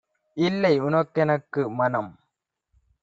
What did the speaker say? "இல்லை உனக்கெனக்கு - மணம்